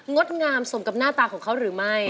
ดงามสมกับหน้าตาของเขาหรือไม่